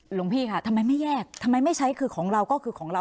หลวงพี่ค่ะทำไมไม่แยกทำไมไม่ใช้คือของเราก็คือของเรา